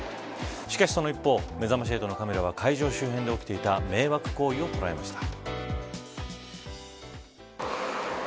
しかしその一方、めざまし８のカメラは会場周辺で起きていた迷惑行為を捉えました。